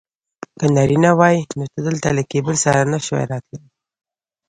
که نارینه وای نو ته دلته له کیبل سره نه شوای راتلای.